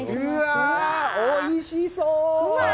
おいしそう！